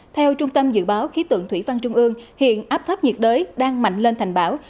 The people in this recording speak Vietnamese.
theo trung tâm dự báo khí tượng thủy văn trung ương hiện áp thấp nhiệt đới đang mạnh lên thành bão